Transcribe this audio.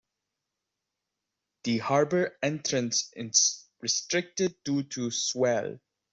The harbor entrance is restricted due to swell.